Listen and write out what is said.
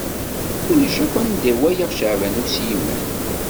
Ulac akk anda i walaɣ Caɛban U Sliman.